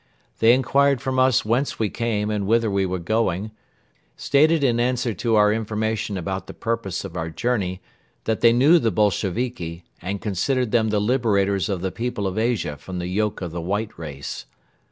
They inquired from us whence we came and whither we were going, stated in answer to our information about the purpose of our journey that they knew the Bolsheviki and considered them the liberators of the people of Asia from the yoke of the white race.